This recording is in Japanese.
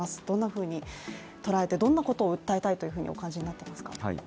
どんなふうに捉えて、どんなことを訴えたいとお感じになっていますか？